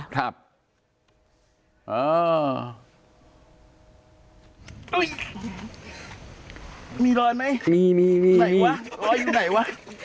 ไหนวะรออยู่ไหนวะ